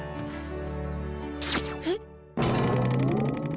えっ！